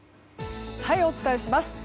はい、お伝えします。